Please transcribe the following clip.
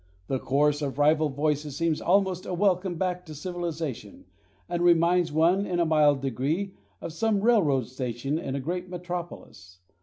The chorus of rival voices seems almost a welcome back to civilization, and reminds one in a mild degree of some railroad station in a great metropolis.